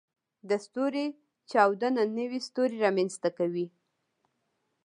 د ستوري چاودنه نوې ستوري رامنځته کوي.